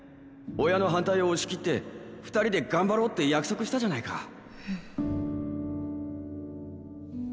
親の反対を押し切って２人で頑張ろうって約束したじゃないか。